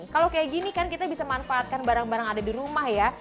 kalau kayak gini kan kita bisa manfaatkan barang barang ada di rumah ya